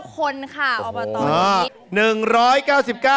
๑๙๙คนค่ะตอนนี้